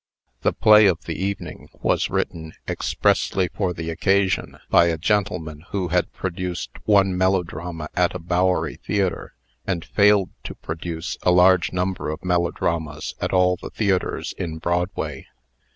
The play of the evening was written "expressly for the occasion" by a gentleman who had produced one melodrama at a Bowery theatre, and failed to produce a large number of melodramas at all the theatres in Broadway.